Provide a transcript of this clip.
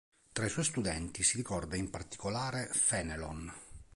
Tra i suoi studenti, si ricorda in particolare Fénelon.